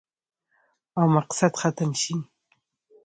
او مقصد ختم شي